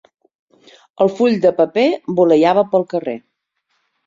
El full de paper voleiava pel carrer.